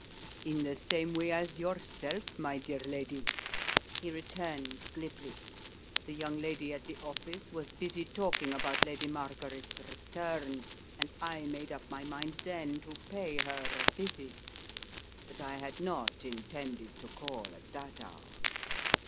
"In the same way as yourself, my dear lady," he returned, glibly, "the young lady at the office was busy talking about Lady Margaret's return and I made up my mind then to pay her a visit, but I had not intended to call at that hour.